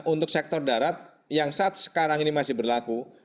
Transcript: untuk sektor darat yang saat sekarang ini masih berlaku